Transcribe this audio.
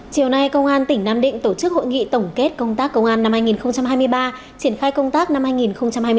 chiều nay công an tỉnh nam định tổ chức hội nghị tổng kết công tác công an năm hai nghìn hai mươi ba triển khai công tác năm hai nghìn hai mươi bốn